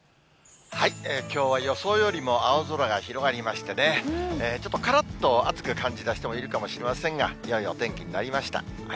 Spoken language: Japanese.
きょうは予想よりも青空が広がりましてね、ちょっとからっと暑く感じた人もいるかもしれませんが、よいお天気になりました。